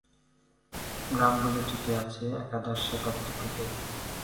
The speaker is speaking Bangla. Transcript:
গ্রামগুলো টিকে আছে একাদশ শতাব্দী থেকে।